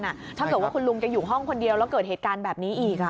ถ้าเกิดว่าคุณลุงแกอยู่ห้องคนเดียวแล้วเกิดเหตุการณ์แบบนี้อีก